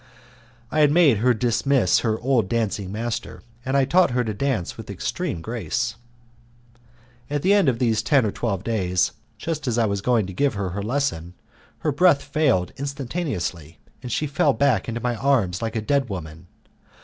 I had made her dismiss her old dancing master, and I had taught her to dance with extreme grace. At the end of these ten or twelve days, just as I was going to give her her lesson, her breath failed instantaneously, and she fell back into my arms like a dead woman.